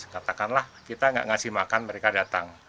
katakanlah kita tidak memberi makan mereka datang